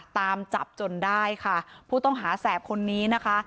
ตามจับจนได้ค่ะผู้ต้องหาแสบคนนี้นะคะ